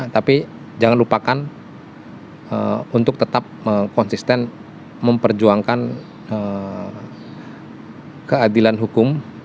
tapi jangan lupakan untuk tetap konsisten memperjuangkan keadilan hukum